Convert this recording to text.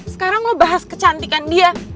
sekarang lo bahas kecantikan dia